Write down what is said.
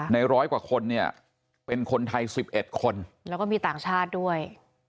ร้อยกว่าคนเนี่ยเป็นคนไทย๑๑คนแล้วก็มีต่างชาติด้วย